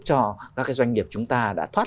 cho các cái doanh nghiệp chúng ta đã thoát